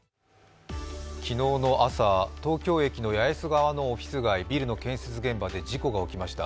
昨日の朝、東京駅の八重洲側のオフィス街、ビルの建設現場で事故が起きました。